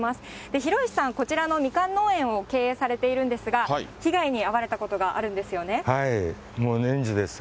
広石さん、こちらのミカン農園を経営されているんですが、被害に遭われたことがあるんですよね。